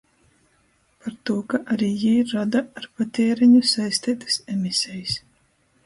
Partū ka ari jī roda ar patiereņu saisteitys emisejis.